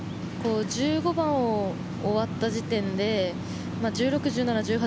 １５番を終わった時点で１６、１７、１８